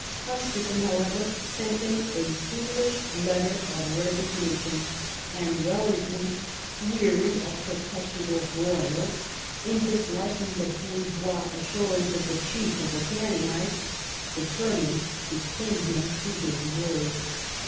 Huskisson, however, sent him a foolish letter of resignation, and Wellington, weary of perpetual broils, and disliking the bourgeois assurance of the chief of the Ganningites, determined to pin him to his word.